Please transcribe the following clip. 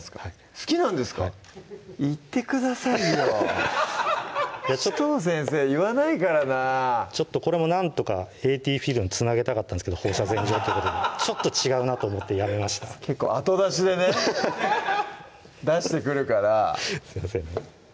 好きなんですか言ってくださいよ紫藤先生言わないからなちょっとこれもなんとかＡＴフィールドにつなげたかったんですが放射線状ってことでちょっと違うなと思ってやめました結構後出しでね出してくるからすいません